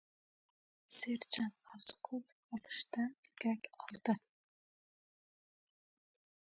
Serjant Orziqulov bolishdan ko‘krak oldi.